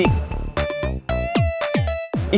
oh gitu sih